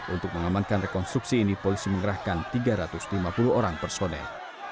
untuk mengamankan rekonstruksi ini polisi mengerahkan tiga ratus lima puluh orang personel